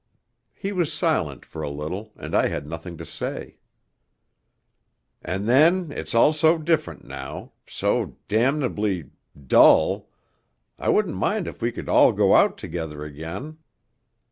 He was silent for a little, and I had nothing to say. 'And then it's all so different now, so damnably ... dull.... I wouldn't mind if we could all go out together again